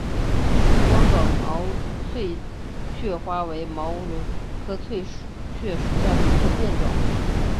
光果毛翠雀花为毛茛科翠雀属下的一个变种。